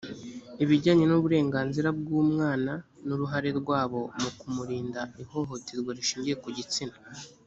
ibijyanye n uburenganzira bw umwana n uruhare rwabo mu kumurinda ihohoterwa rishingiye ku gitsina